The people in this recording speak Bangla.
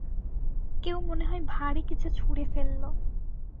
কেউ মনে হয় ভারি কিছু ছুঁড়ে ফেলল।